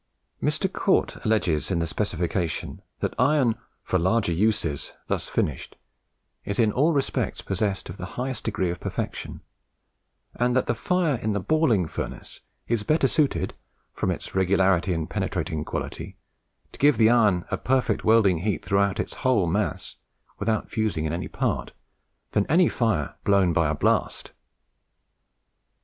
Mr. Cort alleges in the specification that iron for "larger uses" thus finished, is in all respect's possessed of the highest degree of perfection; and that the fire in the balling furnace is better suited, from its regularity and penetrating quality, to give the iron a perfect welding heat throughout its whole mass, without fusing in any part, than any fire blown by a blast.